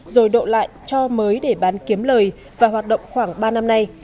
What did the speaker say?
rồi độ lại cho mới để bán kiếm lời và hoạt động khoảng ba năm nay